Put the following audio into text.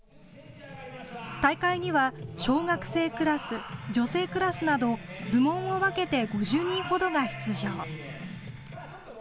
大会には小学生クラス、女性クラスなど部門を分けて５０人ほどが出場。